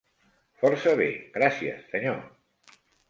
Força bé, gràcies, senyor.